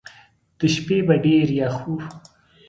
د شپې به ډېر یخ وو.